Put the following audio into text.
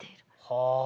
はあ！